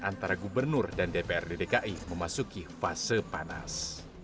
antara gubernur dan dprd dki memasuki fase panas